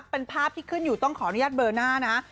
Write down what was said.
เป็นภาพที่ขึ้นอยู่ต้องขออนุญาตเบอร์หน้านะ